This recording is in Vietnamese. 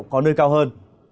có nơi cao hơn